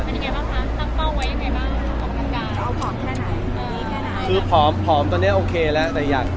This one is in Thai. อ๋อน้องมีหลายคน